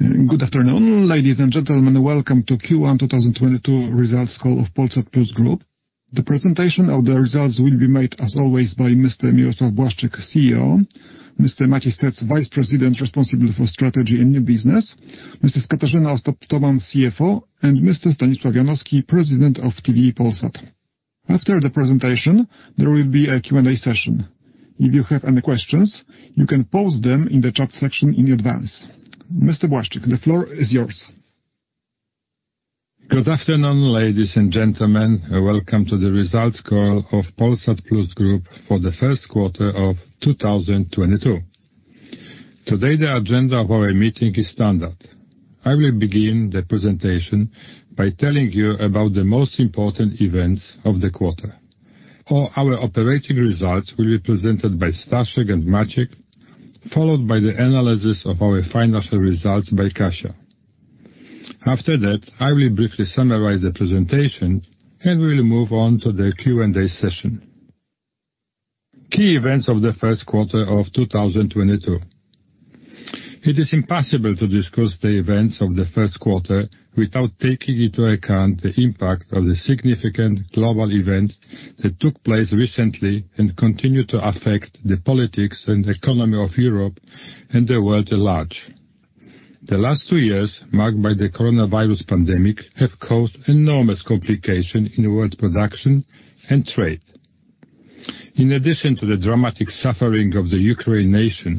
Good afternoon, ladies and gentlemen. Welcome to Q1 2022 results call of Polsat Plus Group. The presentation of the results will be made as always by Mr. Mirosław Błaszczyk, CEO, Mr. Maciej Stec, Vice President responsible for strategy and new business, Mrs. Katarzyna Ostap-Tomann, CFO, and Mr. Stanisław Janowski, President of Telewizja Polsat. After the presentation, there will be a Q&A session. If you have any questions, you can post them in the chat section in advance. Mr. Błaszczyk, the floor is yours. Good afternoon, ladies and gentlemen. Welcome to the results call of Polsat Plus Group for the first quarter of 2022. Today, the agenda of our meeting is standard. I will begin the presentation by telling you about the most important events of the quarter. All our operating results will be presented by Staszek and Maciej, followed by the analysis of our financial results by Kasia. After that, I will briefly summarize the presentation, and we'll move on to the Q&A session. Key events of the first quarter of 2022. It is impossible to discuss the events of the first quarter without taking into account the impact of the significant global events that took place recently and continue to affect the politics and economy of Europe and the world at large. The last two years, marked by the coronavirus pandemic, have caused enormous complications in world production and trade. In addition to the dramatic suffering of the Ukrainian nation,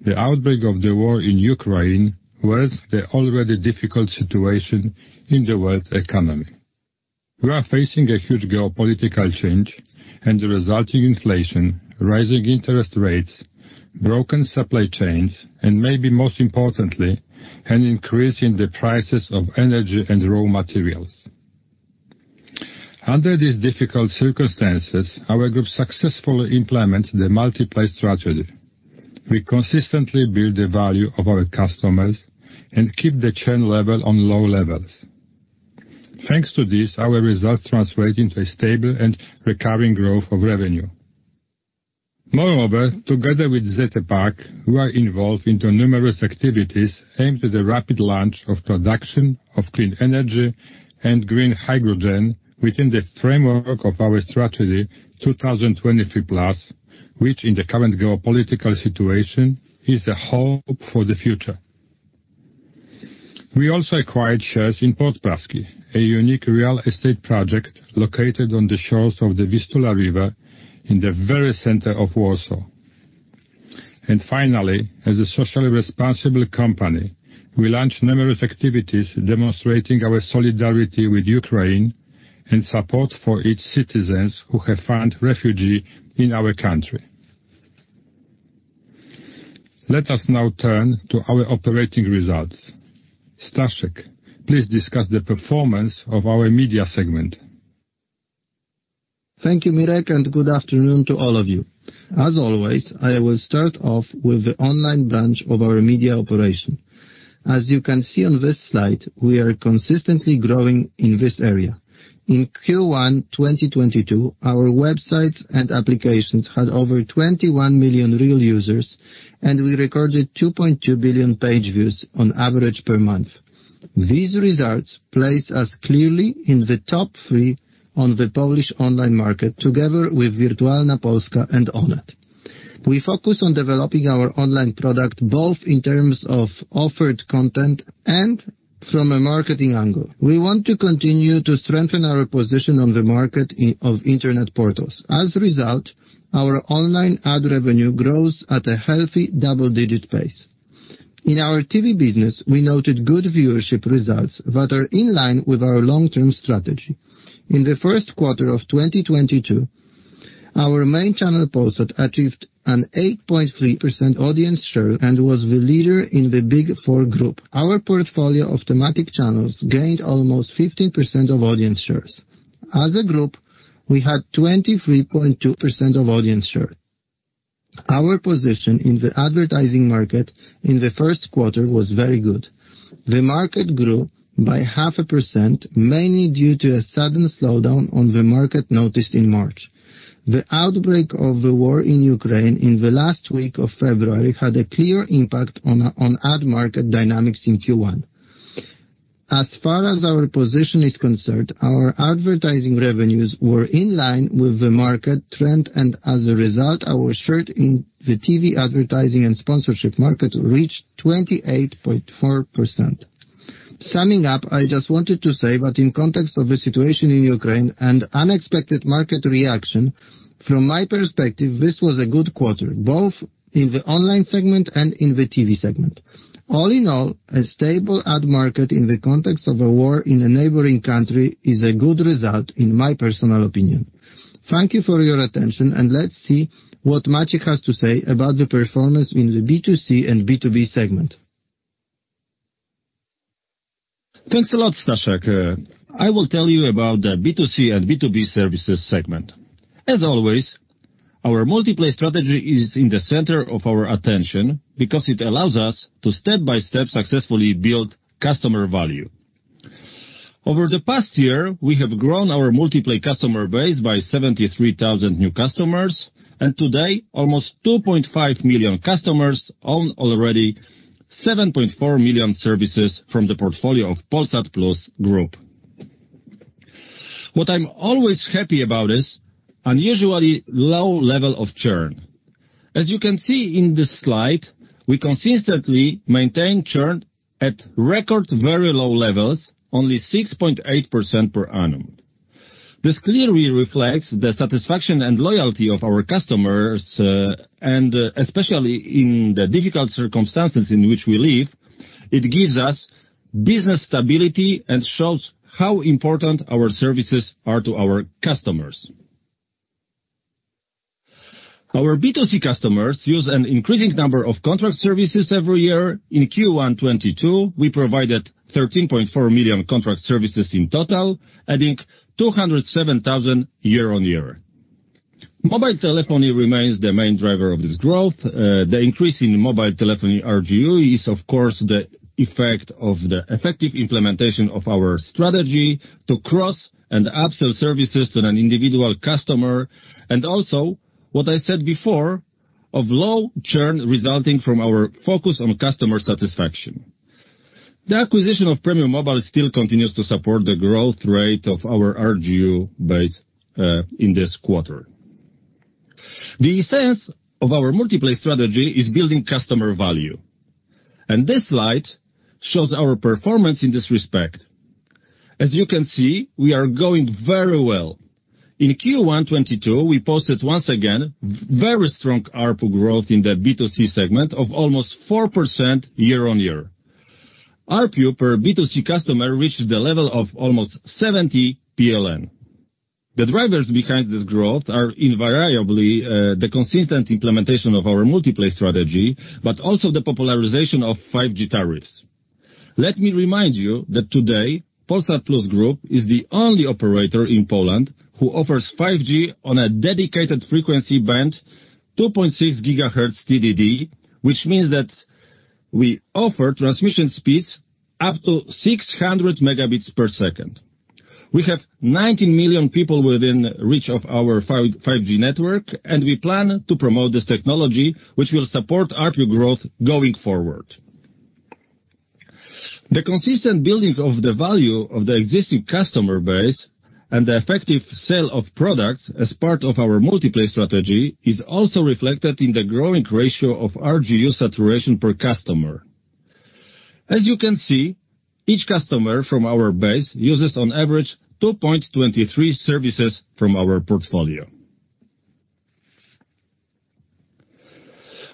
the outbreak of the war in Ukraine worsened the already difficult situation in the world economy. We are facing a huge geopolitical change and the resulting inflation, rising interest rates, broken supply chains, and maybe most importantly, an increase in the prices of energy and raw materials. Under these difficult circumstances, our group successfully implemented the multiplay strategy. We consistently build the value of our customers and keep the churn level at low levels. Thanks to this, our results translate into a stable and recurring growth of revenue. Moreover, together with ZE PAK, we are involved in numerous activities aimed at the rapid launch of production of clean energy and green hydrogen within the framework of our Strategy 2023+, which in the current geopolitical situation is a hope for the future. We also acquired shares in Port Praski, a unique real estate project located on the shores of the Vistula River in the very center of Warsaw. Finally, as a socially responsible company, we launched numerous activities demonstrating our solidarity with Ukraine and support for its citizens who have found refuge in our country. Let us now turn to our operating results. Staszek, please discuss the performance of our media segment. Thank you, Mirek, and good afternoon to all of you. As always, I will start off with the online branch of our media operation. As you can see on this slide, we are consistently growing in this area. In Q1 2022, our websites and applications had over 21 million real users, and we recorded 2.2 billion page views on average per month. These results place us clearly in the top three on the Polish online market, together with Wirtualna Polska and Onet. We focus on developing our online product both in terms of offered content and from a marketing angle. We want to continue to strengthen our position on the market, i.e., of internet portals. As a result, our online ad revenue grows at a healthy double-digit pace. In our TV business, we noted good viewership results that are in line with our long-term strategy. In the first quarter of 2022, our main channel, Polsat, achieved an 8.3% audience share and was the leader in the Big Four group. Our portfolio of thematic channels gained almost 15% of audience shares. As a group, we had 23.2% of audience share. Our position in the advertising market in the first quarter was very good. The market grew by 0.5%, mainly due to a sudden slowdown on the market noticed in March. The outbreak of the war in Ukraine in the last week of February had a clear impact on ad market dynamics in Q1. As far as our position is concerned, our advertising revenues were in line with the market trend, and as a result, our share in the TV advertising and sponsorship market reached 28.4%. Summing up, I just wanted to say that in context of the situation in Ukraine and unexpected market reaction, from my perspective, this was a good quarter, both in the online segment and in the TV segment. All in all, a stable ad market in the context of a war in a neighboring country is a good result in my personal opinion. Thank you for your attention, and let's see what Maciej has to say about the performance in the B2C and B2B segment. Thanks a lot, Staszek. I will tell you about the B2C and B2B services segment. As always, our multiplay strategy is in the center of our attention because it allows us to step-by-step successfully build customer value. Over the past year, we have grown our multi-play customer base by 73,000 new customers. Today, almost 2.5 million customers own already 7.4 million services from the portfolio of Polsat Plus Group. What I'm always happy about is unusually low level of churn. As you can see in this slide, we consistently maintain churn at record very low levels, only 6.8% per annum. This clearly reflects the satisfaction and loyalty of our customers, and especially in the difficult circumstances in which we live, it gives us business stability and shows how important our services are to our customers. Our B2C customers use an increasing number of contract services every year. In Q1 2022, we provided 13.4 million contract services in total, adding 207,000 year-on-year. Mobile telephony remains the main driver of this growth. The increase in mobile telephony RGU is, of course, the effect of the effective implementation of our strategy to cross and upsell services to an individual customer, and also what I said before, of low churn resulting from our focus on customer satisfaction. The acquisition of Premium Mobile still continues to support the growth rate of our RGU base, in this quarter. The essence of our multiplay strategy is building customer value, and this slide shows our performance in this respect. As you can see, we are going very well. In Q1 2022, we posted once again very strong ARPU growth in the B2C segment of almost 4% year-on-year. ARPU per B2C customer reached the level of almost 70 PLN. The drivers behind this growth are invariably the consistent implementation of our multiplay strategy, but also the popularization of 5G tariffs. Let me remind you that today, Polsat Plus Group is the only operator in Poland who offers 5G on a dedicated frequency band, 2.6 GHz TDD, which means that we offer transmission speeds up to 600 Mbps. We have 19 million people within reach of our 5G network, and we plan to promote this technology, which will support ARPU growth going forward. The consistent building of the value of the existing customer base and the effective sale of products as part of our multi-play strategy is also reflected in the growing ratio of RGU saturation per customer. As you can see, each customer from our base uses on average 2.23 services from our portfolio.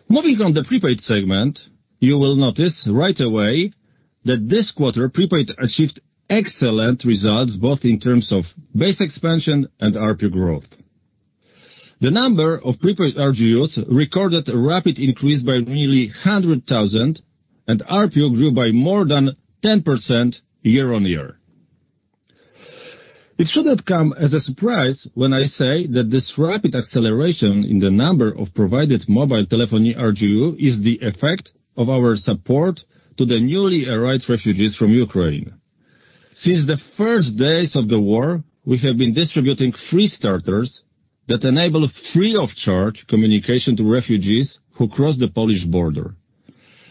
Moving on to the prepaid segment, you will notice right away that this quarter, prepaid achieved excellent results, both in terms of base expansion and ARPU growth. The number of prepaid RGUs recorded a rapid increase by nearly 100,000, and ARPU grew by more than 10% year-on-year. It shouldn't come as a surprise when I say that this rapid acceleration in the number of provided mobile telephony RGU is the effect of our support to the newly arrived refugees from Ukraine. Since the first days of the war, we have been distributing free starters that enable free of charge communication to refugees who cross the Polish border.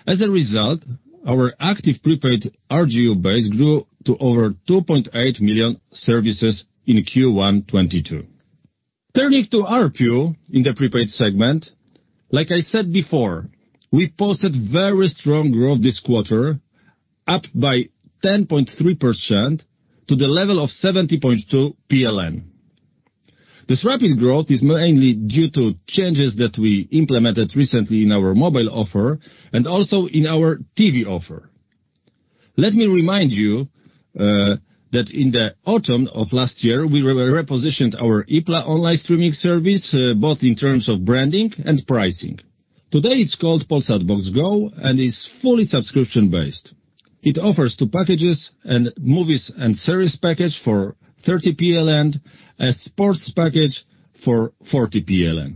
As a result, our active prepaid RGU base grew to over 2.8 million services in Q1 2022. Turning to ARPU in the prepaid segment, like I said before, we posted very strong growth this quarter, up by 10.3% to the level of 70.2 PLN. This rapid growth is mainly due to changes that we implemented recently in our mobile offer and also in our TV offer. Let me remind you that in the autumn of last year, we reposition our Ipla online streaming service both in terms of branding and pricing. Today, it's called Polsat Box Go and is fully subscription-based. It offers two packages, a movies and series package for 30 PLN, a sports package for 40 PLN.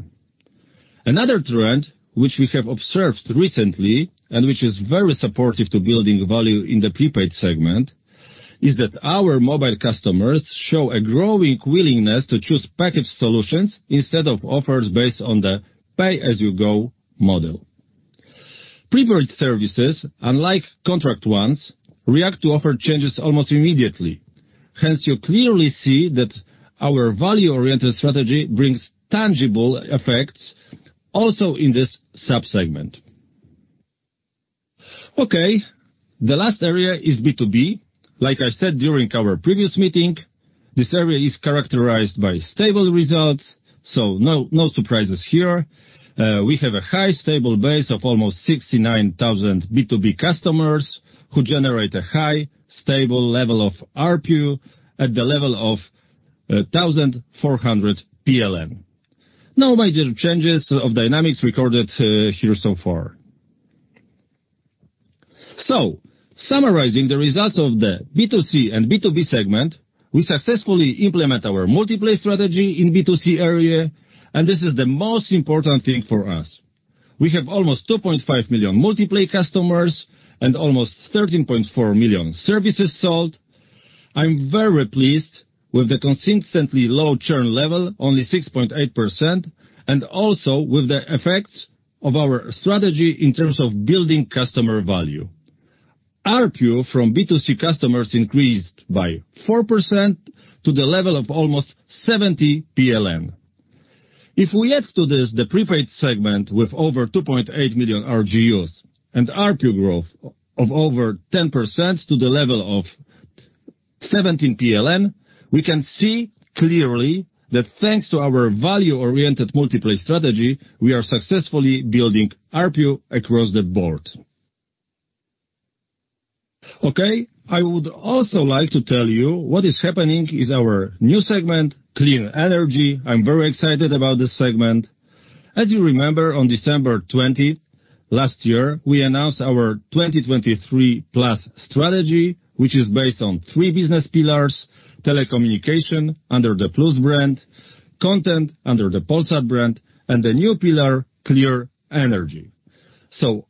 Another trend which we have observed recently, and which is very supportive to building value in the prepaid segment, is that our mobile customers show a growing willingness to choose package solutions instead of offers based on the pay-as-you-go model. Prepaid services, unlike contract ones, react to offer changes almost immediately. Hence, you clearly see that our value-oriented strategy brings tangible effects also in this sub-segment. Okay, the last area is B2B. Like I said during our previous meeting, this area is characterized by stable results, so no surprises here. We have a high stable base of almost 69,000 B2B customers who generate a high stable level of ARPU at the level of 1,400. No major changes of dynamics recorded here so far. Summarizing the results of the B2C and B2B segment, we successfully implement our multi-play strategy in B2C area, and this is the most important thing for us. We have almost 2.5 million multi-play customers and almost 13.4 million services sold. I'm very pleased with the consistently low churn level, only 6.8%, and also with the effects of our strategy in terms of building customer value. ARPU from B2C customers increased by 4% to the level of almost 70 PLN. If we add to this the prepaid segment with over 2.8 million RGUs and ARPU growth of over 10% to the level of 17 PLN, we can see clearly that thanks to our value-oriented multi-play strategy, we are successfully building ARPU across the board. Okay. I would also like to tell you what is happening in our new segment, clean energy. I'm very excited about this segment. As you remember, on December 20th last year, we announced our 2023+ strategy, which is based on three business pillars, telecommunication under the Plus brand, content under the Polsat brand, and the new pillar, clean energy.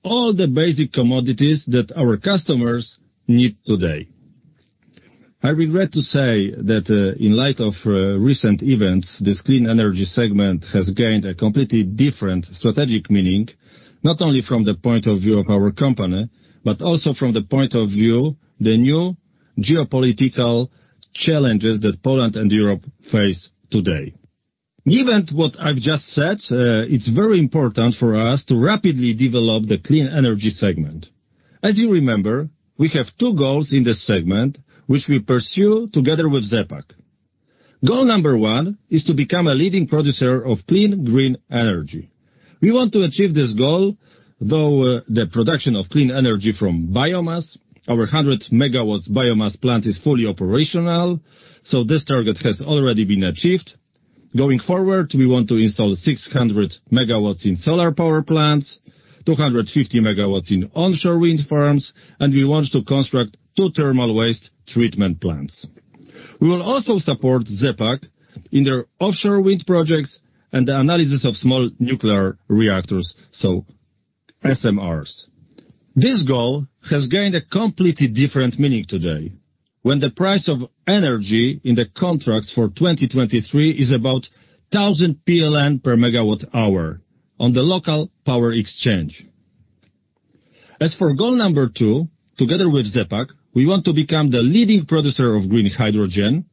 All the basic commodities that our customers need today. I regret to say that, in light of recent events, this clean energy segment has gained a completely different strategic meaning, not only from the point of view of our company, but also from the point of view of the new geopolitical challenges that Poland and Europe face today. Given what I've just said, it's very important for us to rapidly develop the clean energy segment. As you remember, we have two goals in this segment, which we pursue together with ZE PAK. Goal number one is to become a leading producer of clean, green energy. We want to achieve this goal through the production of clean energy from biomass. Our 100 MW biomass plant is fully operational, so this target has already been achieved. Going forward, we want to install 600 MW in solar power plants, 250 MW in onshore wind farms, and we want to construct two thermal waste treatment plants. We will also support ZE PAK in their offshore wind projects and the analysis of small nuclear reactors, so SMRs. This goal has gained a completely different meaning today, when the price of energy in the contracts for 2023 is about 1,000 PLN per megawatt-hour on the local power exchange. As for goal number two, together with ZE PAK, we want to become the leading producer of green hydrogen.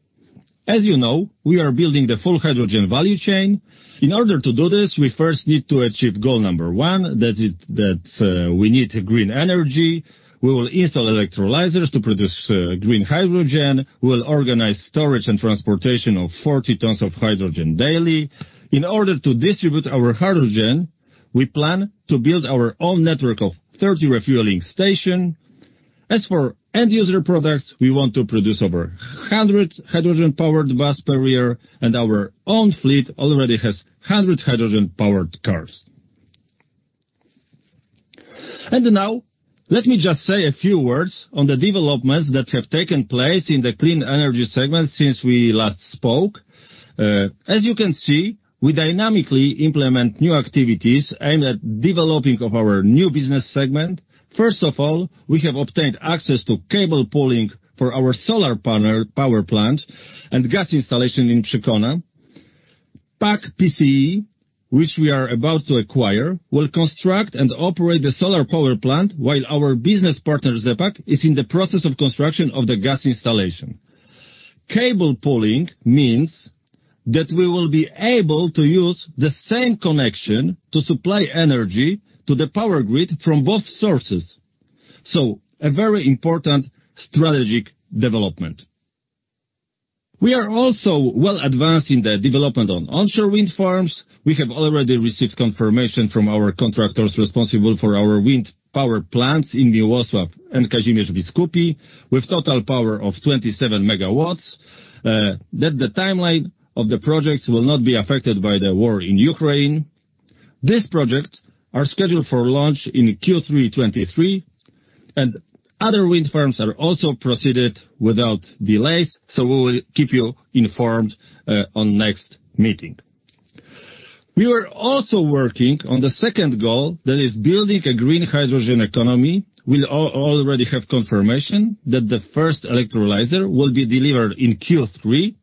As you know, we are building the full hydrogen value chain. In order to do this, we first need to achieve goal number one. That is, we need green energy. We will install electrolyzers to produce green hydrogen. We'll organize storage and transportation of 40 tons of hydrogen daily. In order to distribute our hydrogen, we plan to build our own network of 30 refueling stations. As for end user products, we want to produce over 100 hydrogen-powered buses per year, and our own fleet already has 100 hydrogen-powered cars. Now, let me just say a few words on the developments that have taken place in the clean energy segment since we last spoke. As you can see, we dynamically implement new activities aimed at development of our new business segment. First of all, we have obtained access to cable pulling for our solar panel power plant and gas installation in Przykona. PAK-PCE, which we are about to acquire, will construct and operate the solar power plant while our business partner, ZE PAK, is in the process of construction of the gas installation. Cable pulling means that we will be able to use the same connection to supply energy to the power grid from both sources. A very important strategic development. We are also well advanced in the development on onshore wind farms. We have already received confirmation from our contractors responsible for our wind power plants in Miłosław and Kazimierz Biskupie, with total power of 27 MW, that the timeline of the projects will not be affected by the war in Ukraine. These projects are scheduled for launch in Q3 2023, and other wind farms are also proceeded without delays, so we will keep you informed on next meeting. We are also working on the second goal, that is building a green hydrogen economy. We already have confirmation that the first electrolyzer will be delivered in Q3.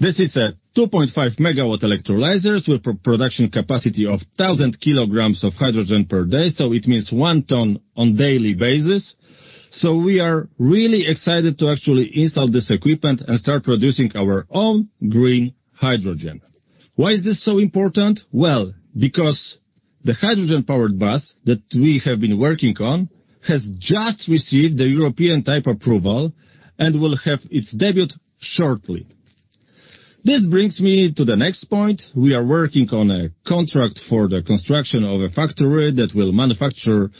This is a 2.5-MW electrolyzers with pro-production capacity of 1,000 kilograms of hydrogen per day, so it means 1 ton on daily basis. We are really excited to actually install this equipment and start producing our own green hydrogen. Why is this so important? Well, because the hydrogen-powered bus that we have been working on has just received the European type approval and will have its debut shortly. This brings me to the next point. We are working on a contract for the construction of a factory that will manufacture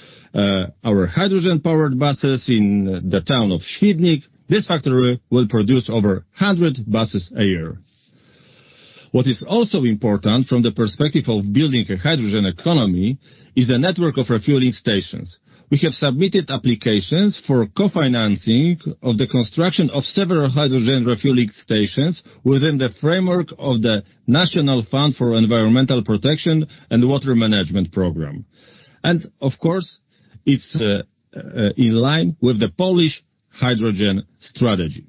our hydrogen-powered buses in the town of Świdnik. This factory will produce over 100 buses a year. What is also important from the perspective of building a hydrogen economy is the network of refueling stations. We have submitted applications for co-financing of the construction of several hydrogen refueling stations within the framework of the National Fund for Environmental Protection and Water Management Program. Of course, it's in line with the Polish hydrogen strategy.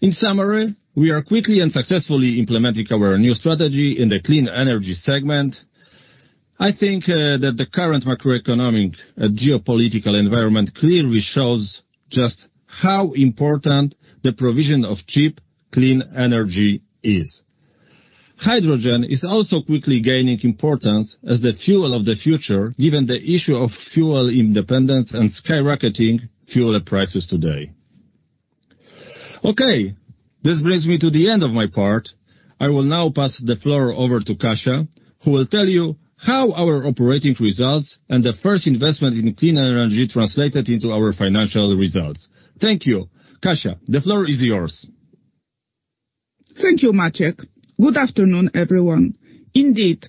In summary, we are quickly and successfully implementing our new strategy in the clean energy segment. I think that the current macroeconomic geopolitical environment clearly shows just how important the provision of cheap, clean energy is. Hydrogen is also quickly gaining importance as the fuel of the future, given the issue of fuel independence and skyrocketing fuel prices today. Okay, this brings me to the end of my part. I will now pass the floor over to Kasia, who will tell you how our operating results and the first investment in clean energy translated into our financial results. Thank you. Kasia, the floor is yours. Thank you, Maciej. Good afternoon, everyone. Indeed,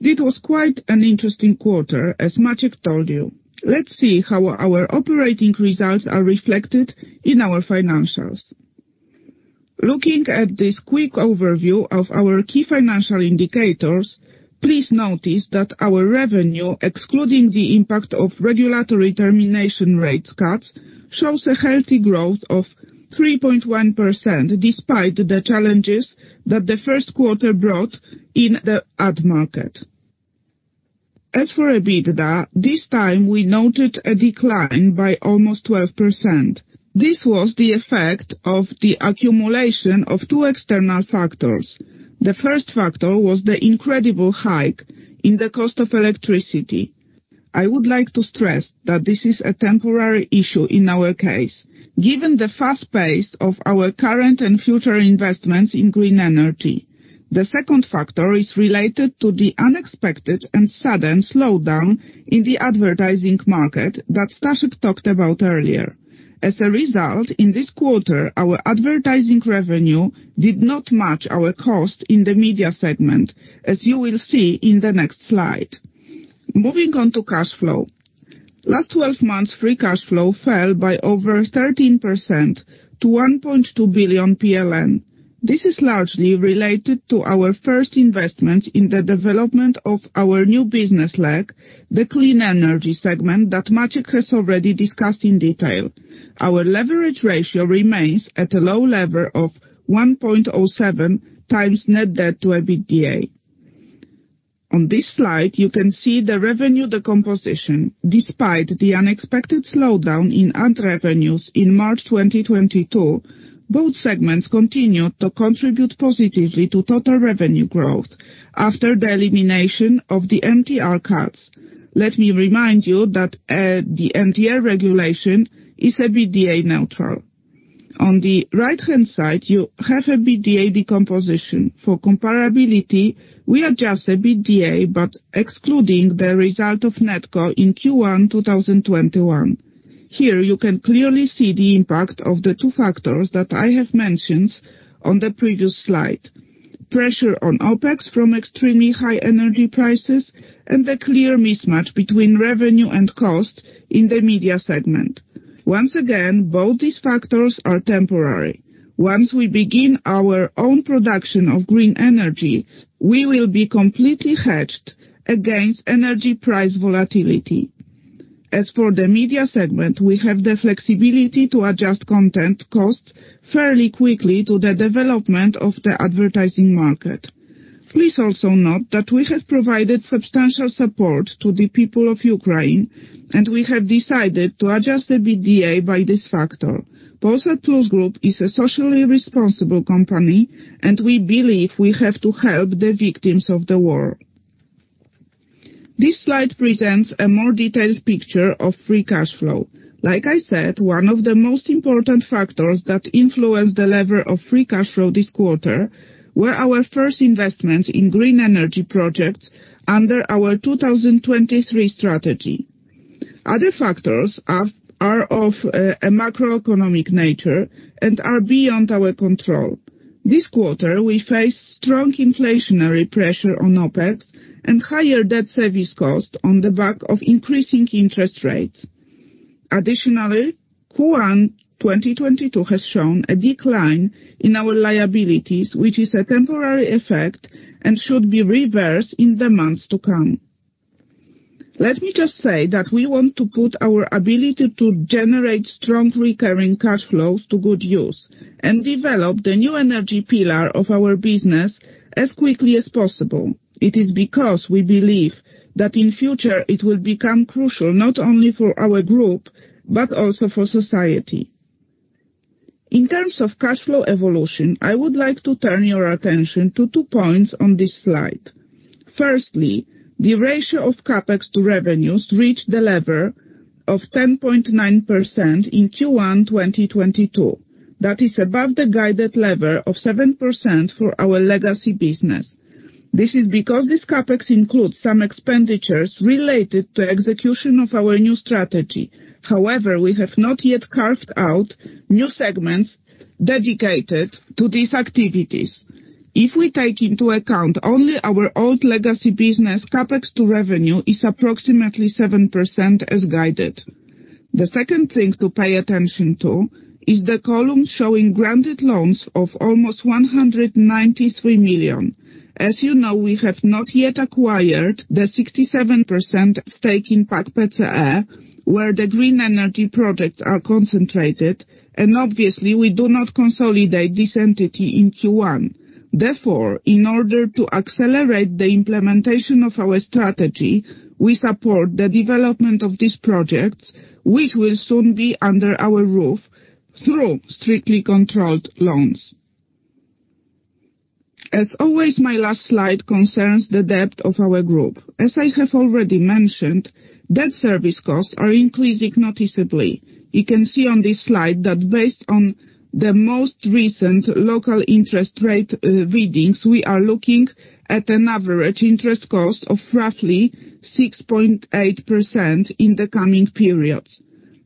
it was quite an interesting quarter, as Maciej told you. Let's see how our operating results are reflected in our financials. Looking at this quick overview of our key financial indicators, please notice that our revenue, excluding the impact of regulatory termination rates cuts, shows a healthy growth of 3.1%, despite the challenges that the first quarter brought in the ad market. As for EBITDA, this time we noted a decline by almost 12%. This was the effect of the accumulation of two external factors. The first factor was the incredible hike in the cost of electricity. I would like to stress that this is a temporary issue in our case, given the fast pace of our current and future investments in green energy. The second factor is related to the unexpected and sudden slowdown in the advertising market that Staszek talked about earlier. As a result, in this quarter, our advertising revenue did not match our cost in the media segment, as you will see in the next slide. Moving on to cash flow. Last 12 months, free cash flow fell by over 13% to 1.2 billion PLN. This is largely related to our first investment in the development of our new business leg, the clean energy segment that Maciej has already discussed in detail. Our leverage ratio remains at a low level of 1.07x net debt to EBITDA. On this slide, you can see the revenue decomposition. Despite the unexpected slowdown in ad revenues in March 2022, both segments continued to contribute positively to total revenue growth after the elimination of the MTR cuts. Let me remind you that the MTR regulation is EBITDA neutral. On the right-hand side, you have EBITDA decomposition. For comparability, we adjust EBITDA, but excluding the result of NetCo in Q1 2021. Here, you can clearly see the impact of the two factors that I have mentioned on the previous slide. Pressure on OpEx from extremely high energy prices and the clear mismatch between revenue and cost in the media segment. Once again, both these factors are temporary. Once we begin our own production of green energy, we will be completely hedged against energy price volatility. As for the media segment, we have the flexibility to adjust content costs fairly quickly to the development of the advertising market. Please also note that we have provided substantial support to the people of Ukraine, and we have decided to adjust EBITDA by this factor. Polsat Plus Group is a socially responsible company, and we believe we have to help the victims of the war. This slide presents a more detailed picture of free cash flow. Like I said, one of the most important factors that influence the level of free cash flow this quarter were our first investment in green energy projects under our 2023 strategy. Other factors are of a macroeconomic nature and are beyond our control. This quarter, we faced strong inflationary pressure on OpEx and higher debt service cost on the back of increasing interest rates. Additionally, Q1 2022 has shown a decline in our liabilities, which is a temporary effect and should be reversed in the months to come. Let me just say that we want to put our ability to generate strong recurring cash flows to good use and develop the new energy pillar of our business as quickly as possible. It is because we believe that in future it will become crucial not only for our group, but also for society. In terms of cash flow evolution, I would like to turn your attention to two points on this slide. Firstly, the ratio of CapEx to revenues reached the level of 10.9% in Q1 2022. That is above the guided level of 7% for our legacy business. This is because this CapEx includes some expenditures related to execution of our new strategy. However, we have not yet carved out new segments dedicated to these activities. If we take into account only our old legacy business, CapEx to revenue is approximately 7% as guided. The second thing to pay attention to is the column showing granted loans of almost 193 million. As you know, we have not yet acquired the 67% stake in PAK-PCE, where the green energy projects are concentrated, and obviously, we do not consolidate this entity in Q1. Therefore, in order to accelerate the implementation of our strategy, we support the development of these projects, which will soon be under our roof, through strictly controlled loans. As always, my last slide concerns the debt of our group. As I have already mentioned, debt service costs are increasing noticeably. You can see on this slide that based on the most recent local interest rate readings, we are looking at an average interest cost of roughly 6.8% in the coming periods.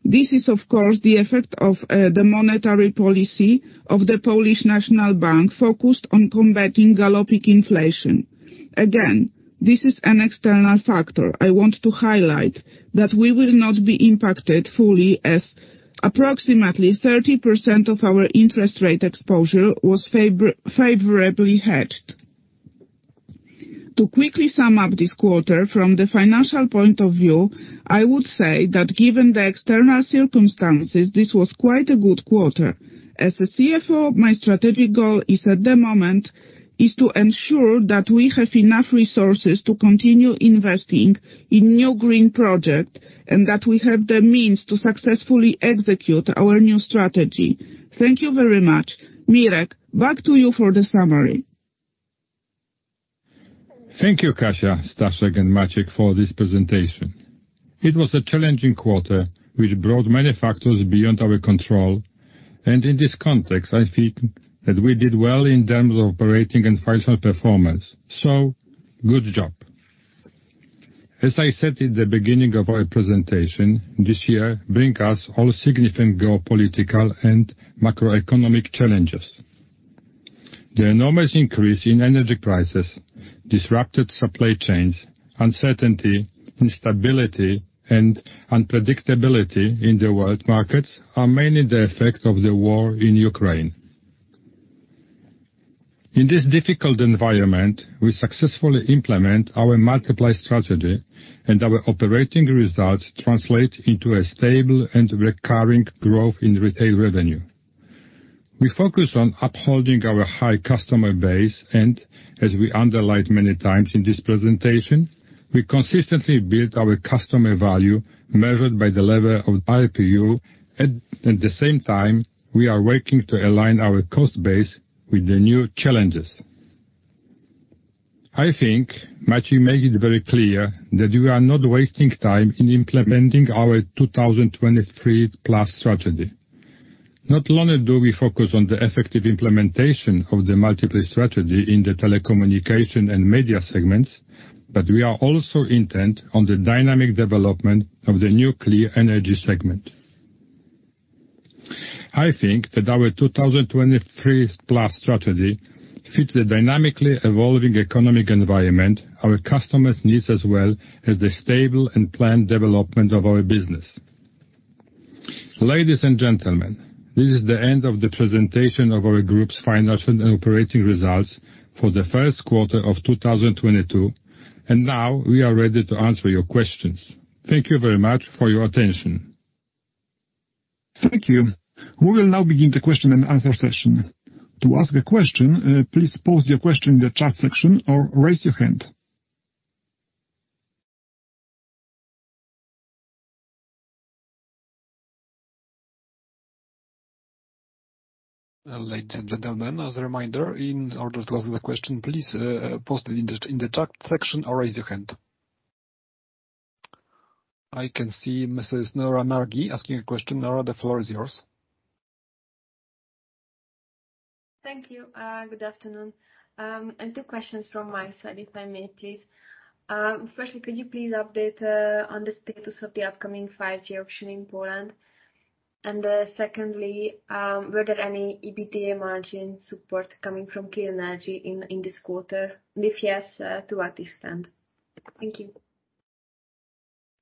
This is, of course, the effect of the monetary policy of the National Bank of Poland focused on combating galloping inflation. Again, this is an external factor. I want to highlight that we will not be impacted fully as approximately 30% of our interest rate exposure was favorably hedged. To quickly sum up this quarter from the financial point of view, I would say that given the external circumstances, this was quite a good quarter. As the CFO, my strategic goal is at the moment to ensure that we have enough resources to continue investing in new green project, and that we have the means to successfully execute our new strategy. Thank you very much. Mirek, back to you for the summary. Thank you, Kasia, Staszek, and Maciek for this presentation. It was a challenging quarter, which brought many factors beyond our control, and in this context, I think that we did well in terms of operating and financial performance. Good job. As I said in the beginning of our presentation, this year bring us all significant geopolitical and macroeconomic challenges. The enormous increase in energy prices, disrupted supply chains, uncertainty, instability, and unpredictability in the world markets are mainly the effect of the war in Ukraine. In this difficult environment, we successfully implement our multiplay strategy and our operating results translate into a stable and recurring growth in retail revenue. We focus on upholding our high customer base, and as we underlined many times in this presentation, we consistently build our customer value measured by the level of ARPU. At the same time, we are working to align our cost base with the new challenges. I think Maciej made it very clear that we are not wasting time in implementing our 2023+ strategy. Not only do we focus on the effective implementation of the multiplay strategy in the telecommunication and media segments, but we are also intent on the dynamic development of the clean energy segment. I think that our 2023+ strategy fits the dynamically evolving economic environment, our customers' needs, as well as the stable and planned development of our business. Ladies and gentlemen, this is the end of the presentation of our group's financial and operating results for the first quarter of 2022, and now we are ready to answer your questions. Thank you very much for your attention. Thank you. We will now begin the question and answer session. To ask a question, please post your question in the chat section or raise your hand. Ladies and gentlemen, as a reminder, in order to ask the question, please post it in the chat section or raise your hand. I can see Mrs. Nora Varga-Nagy asking a question. Nora, the floor is yours. Thank you. Good afternoon. Two questions from my side, if I may, please. Firstly, could you please update on the status of the upcoming 5G auction in Poland? Secondly, were there any EBITDA margin support coming from clean energy in this quarter? If yes, to what extent? Thank you.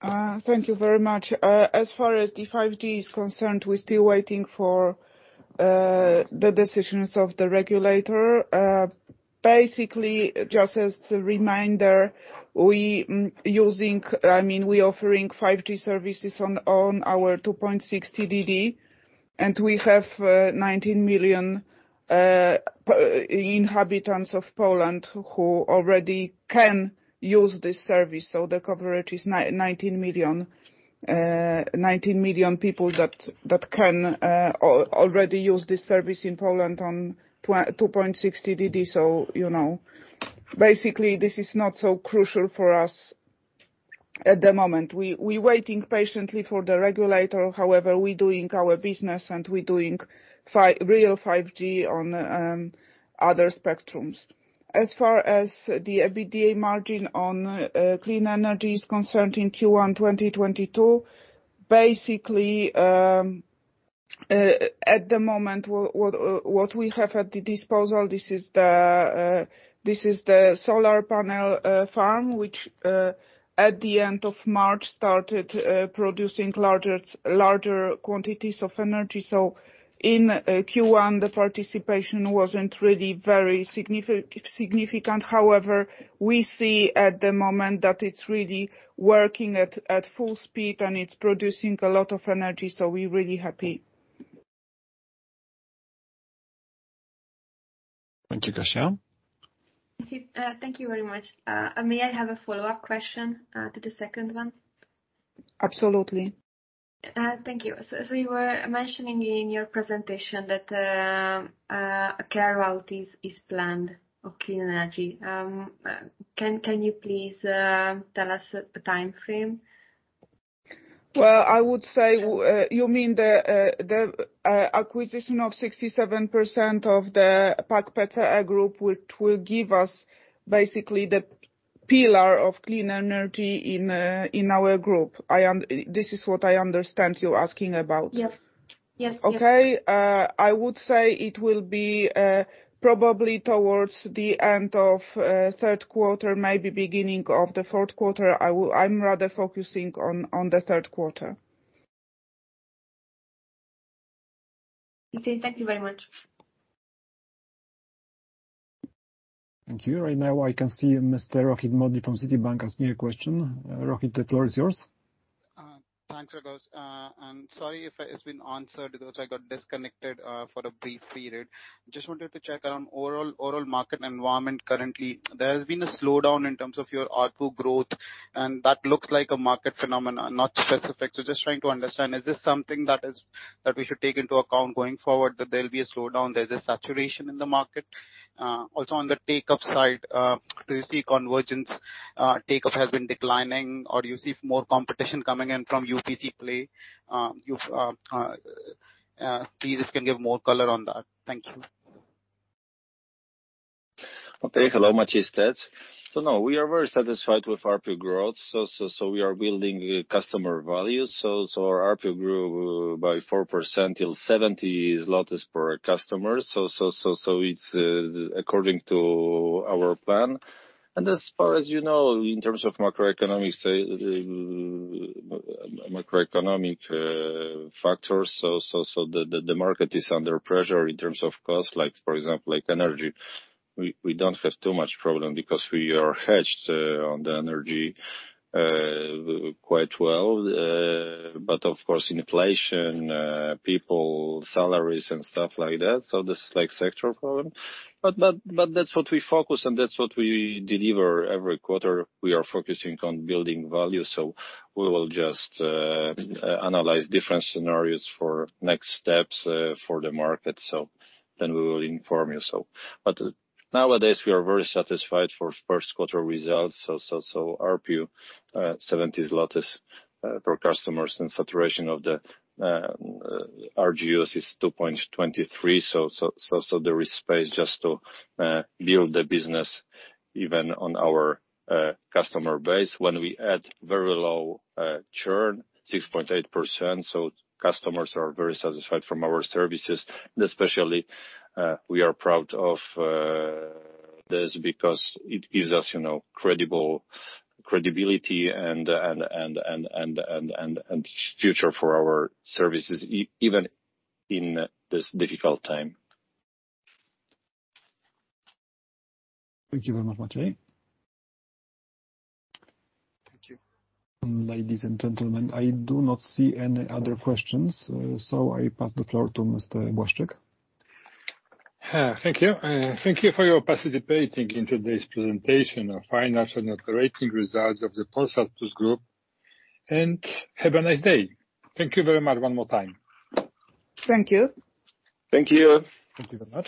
Thank you very much. As far as the 5G is concerned, we're still waiting for the decisions of the regulator. Basically, just as a reminder, I mean, we're offering 5G services on our 2.6 TDD, and we have 19 million inhabitants of Poland who already can use this service. So the coverage is 19 million. 19 million people that can already use this service in Poland on 2.6 TDD. You know, basically, this is not so crucial for us at the moment. We're waiting patiently for the regulator. However, we're doing our business and we're doing real 5G on other spectrums. As far as the EBITDA margin on clean energy is concerned in Q1 2022, basically, at the moment, what we have at our disposal, this is the solar panel farm, which at the end of March started producing larger quantities of energy. In Q1, the participation wasn't really very significant. However, we see at the moment that it's really working at full speed, and it's producing a lot of energy, so we're really happy. Thank you, Kasia. Thank you. Thank you very much. May I have a follow-up question to the second one? Absolutely. Thank you. You were mentioning in your presentation that a clear route is planned for clean energy. Can you please tell us a timeframe? Well, I would say, you mean the acquisition of 67% of the PAK-PCE group, which will give us basically the pillar of clean energy in our group. This is what I understand you're asking about. Yes. Okay. I would say it will be probably towards the end of third quarter, maybe beginning of the fourth quarter. I'm rather focusing on the third quarter. Okay. Thank you very much. Thank you. Right now, I can see Mr. Rohit Modi from Citibank has new question. Rohit, the floor is yours. Thanks, Grzegorz. I'm sorry if it's been answered because I got disconnected for a brief period. Just wanted to check on overall market environment currently. There has been a slowdown in terms of your ARPU growth, and that looks like a market phenomenon, not specific. Just trying to understand, is this something that we should take into account going forward, that there'll be a slowdown, there's a saturation in the market? Also on the take-up side, do you see convergence, take-up has been declining or do you see more competition coming in from UPC/Play? Please just give more color on that. Thank you. Okay. Hello. Maciej Stec. No, we are very satisfied with ARPU growth. We are building customer value. Our ARPU grew by 4% to 70 zlotys per customer. It's according to our plan. As far as you know, in terms of macroeconomic factors, the market is under pressure in terms of cost, like, for example, energy. We don't have too much problem because we are hedged on the energy quite well. But of course, inflation, people, salaries and stuff like that. This is like sector problem. That's what we focus and that's what we deliver every quarter. We are focusing on building value. We will just analyze different scenarios for next steps for the market. We will inform you so. Nowadays, we are very satisfied for first quarter results. ARPU, PLN 70 per customers and saturation of the RGUs is 2.23. There is space just to build the business even on our customer base when we add very low churn, 6.8%. Customers are very satisfied from our services. Especially, we are proud of this because it gives us, you know, credible credibility and future for our services even in this difficult time. Thank you very much, Maciej. Thank you. Ladies and gentlemen, I do not see any other questions, so I pass the floor to Mr. Błaszczyk. Thank you. Thank you for your participating in today's presentation of financial and operating results of the Polsat Plus Group. Have a nice day. Thank you very much one more time. Thank you. Thank you. Thank you very much.